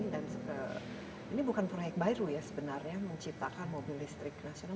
dan ini bukan proyek baru ya sebenarnya menciptakan mobil listrik nasional